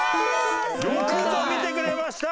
よくぞ見てくれました！